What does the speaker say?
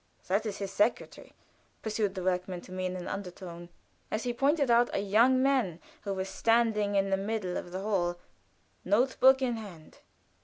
"That is his secretary," pursued the workman to me, in an under tone, as he pointed out a young man who was standing in the middle of the hall, note book in hand.